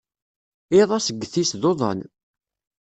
Iḍ asget-is d uḍan.